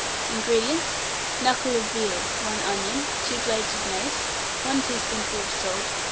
INGREDIENTS. Knuckle of veal, 1 onion, 2 blades of mace, 1 teaspoonful of salt, 1/2 lb.